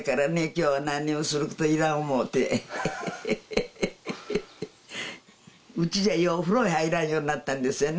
きょうは何にもすることいらん思うてうちじゃようお風呂に入らんようなったんですよね